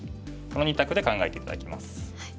この２択で考えて頂きます。